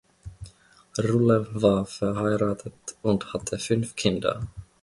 Rulle war verheiratet und hatte fünf Kinder.